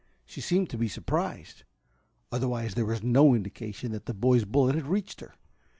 She seemed to be surprised. Otherwise there was no indication that the boy's bullet had reached her.